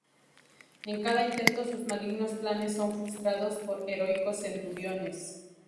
En cada intento sus malignos planes son frustrados por los heroicos Centuriones.